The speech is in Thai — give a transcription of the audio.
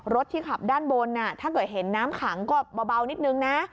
รถที่ขับด้านบนถ้าเกิดเห็นน้ำขังก็เบานิดนึงนะ